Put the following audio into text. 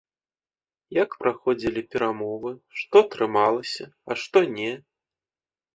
Як праходзілі перамовы, што атрымалася, а што не?